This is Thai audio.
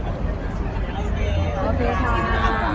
อ๋อแล้วขอบคุณครับ